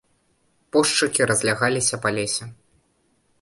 Пошчакі разлягаліся па лесе.